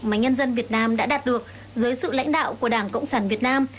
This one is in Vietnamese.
mà nhân dân việt nam đã đạt được dưới sự lãnh đạo của đảng cộng sản việt nam